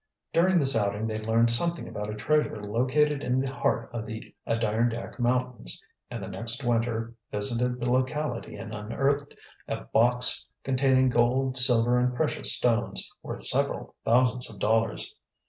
During this outing they learned something about a treasure located in the heart of the Adirondack Mountains, and the next winter visited the locality and unearthed a box containing gold, silver, and precious stones, worth several thousands of dollars.